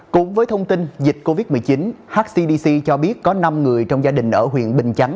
cũng với thông tin dịch covid một mươi chín hcdc cho biết có năm người trong gia đình ở huyện bình chánh